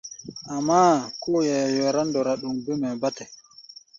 Amáá, kóo hɛ̧ɛ̧ yará ndɔra ɗoŋ bêm hɛ̧ɛ̧ bátɛ.